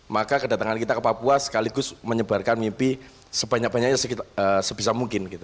maka kedatangan kita ke papua sekaligus menyebarkan mimpi sebanyak banyaknya sebisa mungkin gitu